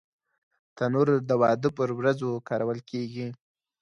تنور د واده پر ورځو کارول کېږي